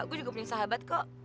gue juga punya sahabat kok